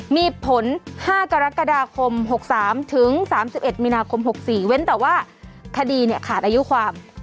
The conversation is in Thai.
มีผล๕กรกฎาคม๖๓ถึง๓๑มีนาคม๖๔เว้นแต่ว่าคดีขาดอายุความ